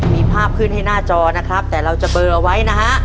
มีภาพขึ้นให้หน้าจอนะครับแต่เราจะเบอร์เอาไว้นะฮะ